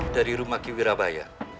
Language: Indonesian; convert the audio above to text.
dari rumah kiwi rabaya